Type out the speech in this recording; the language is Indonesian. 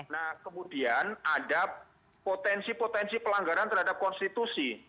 nah kemudian ada potensi potensi pelanggaran terhadap konstitusi